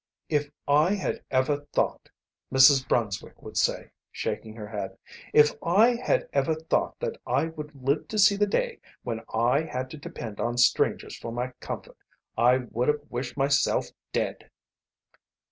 "If I had ever thought," Mrs. Brunswick would say, shaking her head, "if I had ever thought that I would live to see the day when I had to depend on strangers for my comfort, I would have wished myself dead."